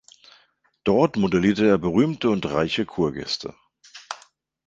Dort modellierte er berühmte und reiche Kurgäste.